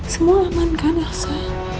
semua aman kan elsa